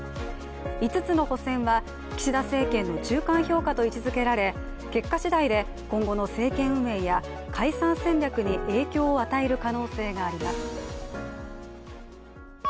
５つの補選は、岸田政権の中間評価と位置づけられ結果しだいで今後の政権運営や解散戦略に影響を与える可能性があります。